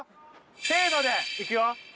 せのでいくよ！